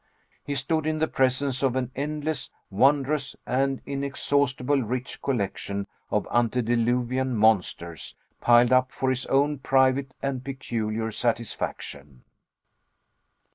He stood in the presence of an endless, wondrous, and inexhaustibly rich collection of antediluvian monsters, piled up for his own private and peculiar satisfaction.